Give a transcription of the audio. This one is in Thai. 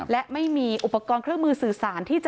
และไม่มีอุปกรณ์เครื่องมือสื่อสารที่จะ